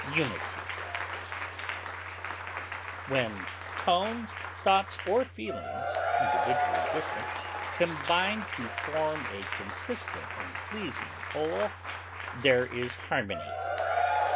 concord, When tones, thoughts, or feelings, individually different, combine to form a consistent and pleasing whole, there is harmony.